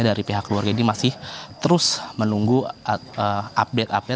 dari pihak keluarga ini masih terus menunggu update update